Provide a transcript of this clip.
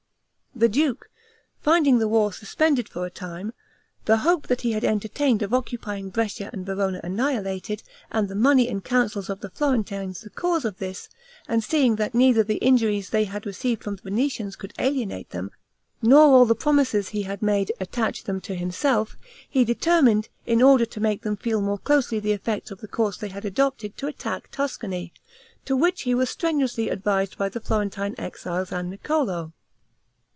The duke, finding the war suspended for a time, the hope he had entertained of occupying Brescia and Verona annihilated, and the money and counsels of the Florentines the cause of this, and seeing that neither the injuries they had received from the Venetians could alienate them, nor all the promises he had made attach them to himself, he determined, in order to make them feel more closely the effects of the course they had adopted, to attack Tuscany; to which he was strenuously advised by the Florentine exiles and Niccolo.